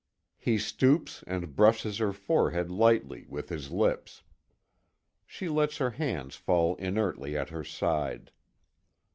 He stoops and brushes her forehead lightly, with his lips. She lets her hands fall inertly at her side.